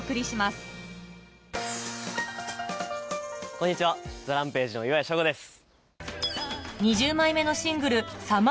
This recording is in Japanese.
こんにちはＴＨＥＲＡＭＰＡＧＥの岩谷翔吾です。